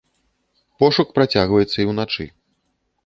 Пошук працягваецца і ўначы.